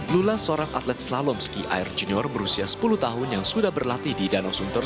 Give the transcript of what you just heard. lula seorang atlet slalomski air junior berusia sepuluh tahun yang sudah berlatih di danau sunter